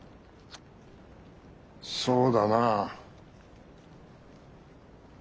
そうだな。